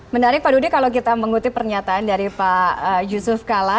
menarik pak dudi kalau kita mengutip pernyataan dari pak yusuf kala